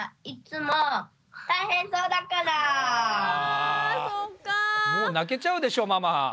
もう泣けちゃうでしょママ。